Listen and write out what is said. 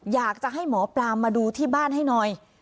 อยากจะให้หมอปลามาดูที่บ้านให้หน่อย